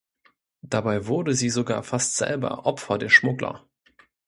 Dabei wurde sie sogar fast selber Opfer der Schmuggler.